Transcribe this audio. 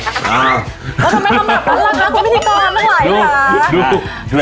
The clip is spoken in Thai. ทำไมก็มับตั้งแล้วคุณพิธีกรไม่ไหวละ